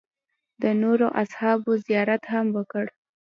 د نورو اصحابو زیارت هم وکړ.